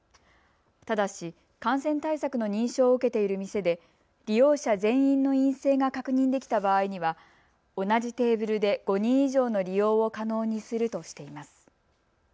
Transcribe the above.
ただし、感染対策の認証を受けている店で利用者全員の陰性が確認できた場合には同じテーブルで５人以上の利用を可能にするとしています。